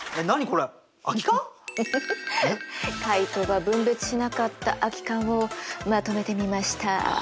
カイトが分別しなかった空き缶をまとめてみました。